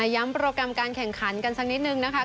โปรแกรมการแข่งขันกันสักนิดนึงนะคะ